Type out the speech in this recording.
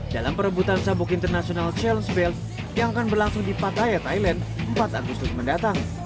dalam perebutan sabuk international challenge bales yang akan berlangsung di pataya thailand empat agustus mendatang